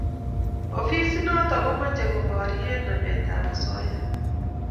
Ofisit notok ko mache ko parie namet ab asoya